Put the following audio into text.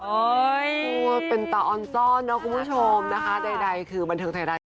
โอ้โหเป็นตาออนซ่อนนะคุณผู้ชมนะคะใดคือบันเทิงไทยรัฐเนี่ย